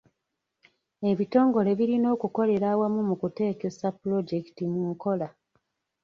Ebitongole birina okukolera awamu mu kuteekesa pulojekiti mu nkola.